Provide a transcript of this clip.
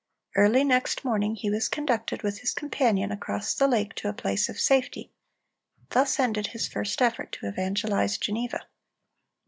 Early next morning he was conducted, with his companion, across the lake to a place of safety. Thus ended his first effort to evangelize Geneva.